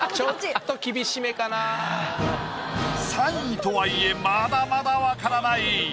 ３位とはいえまだまだわからない。